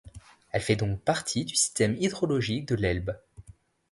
Elle fait donc partie du système hydrologique de l'Elbe.